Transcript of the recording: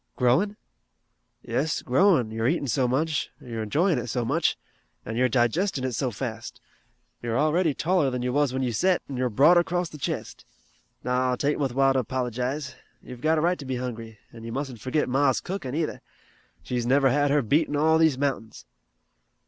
"Growing?" "Yes, growin', you're eatin' so much, you're enjoyin' it so much, an' you're digestin' it so fast. You are already taller than you was when you set, an' you're broader 'cross the chest. No, 'tain't wuth while to 'pologize. You've got a right to be hungry, an' you mustn't forget Ma's cookin' either. She's never had her beat in all these mountains."